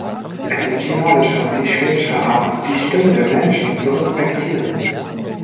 Es ist die nordische und die schwedische Art, die Stimme der Menschen zu respektieren.